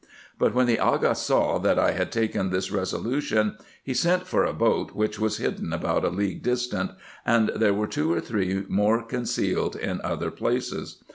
But when the Aga saw, that I had taken this resolution, he sent for a boat, which was hidden about a league distant, and there were two or three more concealed in other places.